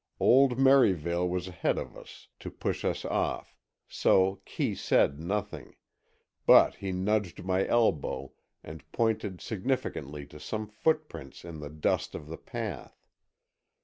Old Merivale was ahead of us, to push us off, so Kee said nothing, but he nudged my elbow and pointed significantly to some footprints in the dust of the path.